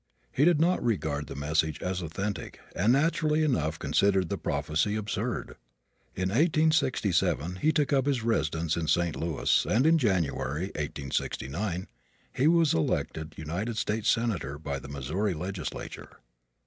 He did not regard the message as authentic and naturally enough considered the prophecy absurd. In 1867 he took up his residence in St. Louis and in January, 1869, he was elected United States senator by the Missouri legislature.